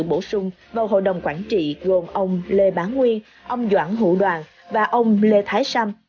bổ sung vào hội đồng quản trị gồm ông lê bá nguyên ông doãn hữu đoàn và ông lê thái sam